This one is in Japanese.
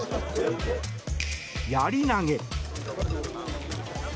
やり投げ。